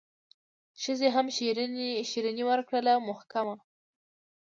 ښځي هم شیریني ورکړله محکمه